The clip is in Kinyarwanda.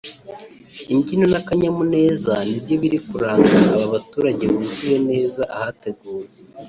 imbyino n’akanyamuneza nibyo biri kuranga aba baturage buzuye neza ahateguwe